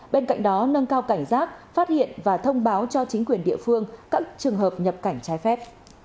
bên cạnh đó nâng cao cảnh giác phát hiện và thông báo cho chính quyền địa phương các trường hợp nhập cảnh trái phép